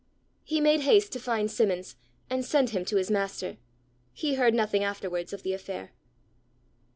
He made haste to find Simmons, and send him to his master. He heard nothing afterwards of the affair.